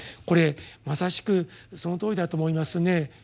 これまさしくそのとおりだと思いますね。